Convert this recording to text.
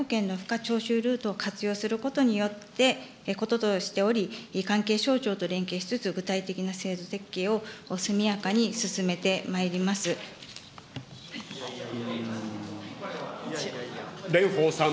また社会保険の賦課徴収ルートを活用することによることとしており、関係省庁と連携しつつ具体的な制度設計を速やかに進めてまいりま蓮舫さん。